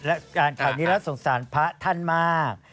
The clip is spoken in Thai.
และอ่านข่าวนี้แล้วสงสารพระท่านมาก